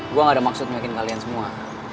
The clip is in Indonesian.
gue gak ada maksud meyakin kalian semua